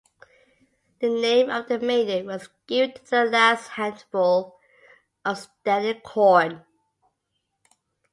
The name of the Maiden was given to the last handful of standing corn.